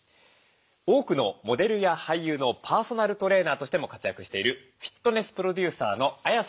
多くのモデルや俳優のパーソナルトレーナーとしても活躍しているフィットネスプロデューサーのＡＹＡさんです。